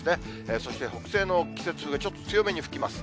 そして北西の季節風がちょっと強めに吹きます。